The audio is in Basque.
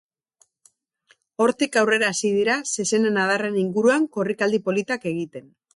Hortik aurrera hasi dira zezenen adarren inguruan korrikaldi politak egiten.